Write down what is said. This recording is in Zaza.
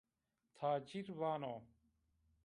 Tacîr vano